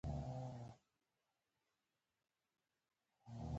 ما خپل کتاب وموند